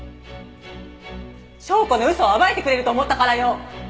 紹子の嘘を暴いてくれると思ったからよ！